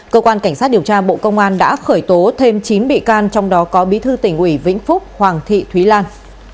cơ quan cảnh sát điều tra bộ công an đã khởi tố thêm chín bị can trong đó có bí thư tỉnh ủy vĩnh phúc hoàng thị thúy lan